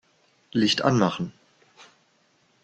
Licht anmachen.